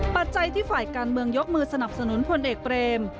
ปัจจัยที่ฝ่ายการเมืองยกมือสนับสนุนพลเอกเบรม